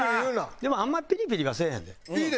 でもあんまピリピリはせえへんで。